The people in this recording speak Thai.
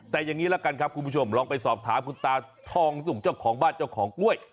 แต่อย่างนี้ละกันครับคุณผู้ชมลองไปสอบถามคุณตาทองสุกเจ้าของบ้านเจ้าของกล้วย